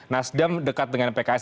nasdam dekat dengan pks